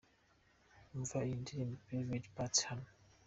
Umva iyi ndirimbo Private Party hano:.